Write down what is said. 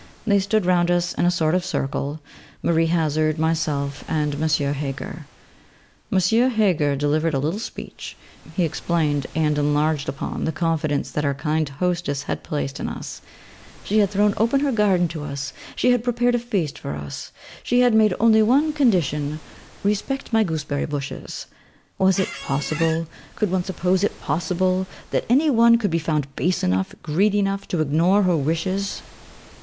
They stood round us in a sort of circle; Marie Hazard, myself, and M. Heger. M. Heger delivered a little speech: he explained, and enlarged upon, the confidence that our kind hostess had placed in us; she had thrown open her garden to us; she had prepared a feast for us; she had made only one condition respect my gooseberry bushes. Was it possible, could one suppose it possible, that any one could be found base enough, greedy enough, to ignore her wishes?